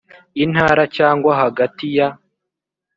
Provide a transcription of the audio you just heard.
intara cyangwa hagati ya